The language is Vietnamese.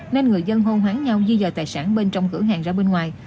nên người dân hôn hoán nhau di dời tài sản bên trong cửa hàng ra bên ngoài